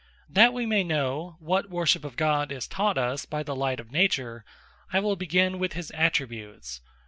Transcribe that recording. Attributes Of Divine Honour That we may know what worship of God is taught us by the light of Nature, I will begin with his Attributes.